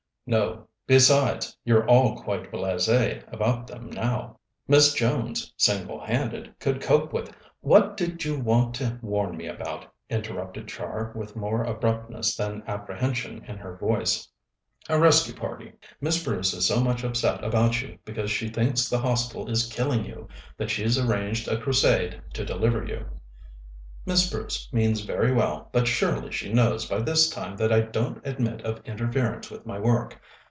"No; besides, you're all quite blasées about them now. Miss Jones, single handed, could cope with " "What did you want to warn me about?" interrupted Char, with more abruptness than apprehension in her voice. "A rescue party. Miss Bruce is so much upset about you, because she thinks the Hostel is killing you, that she's arranged a crusade to deliver you." "Miss Bruce means very well, but surely she knows by this time that I don't admit of interference with my work.